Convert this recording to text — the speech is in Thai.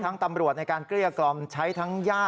นี่มันเป็นไงนี่มันเป็นไง